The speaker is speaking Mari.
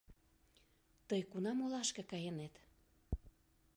— Тый кунам олашке кайынет?